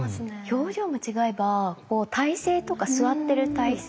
表情も違えば体勢とか座ってる体勢。